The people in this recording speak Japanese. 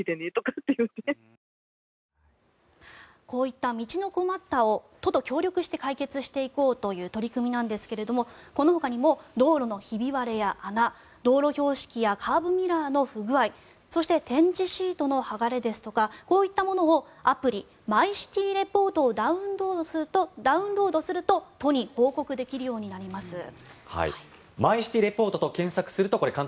こういった道の困ったを都と協力して解決していこうという取り組みなんですがこのほかにも道路のひび割れや穴道路標識やカーブミラーの不具合そして、点字シートの剥がれですとかこういったものをアプリ、マイシティレポートをダウンロードすると都に報告できるようになります。